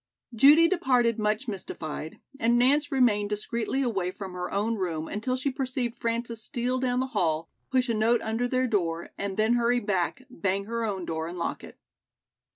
Judy departed much mystified and Nance remained discreetly away from her own room until she perceived Frances steal down the hall, push a note under their door and then hurry back, bang her own door and lock it.